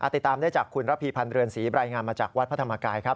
ติดตามได้จากคุณระพีพันธ์เรือนศรีบรายงานมาจากวัดพระธรรมกายครับ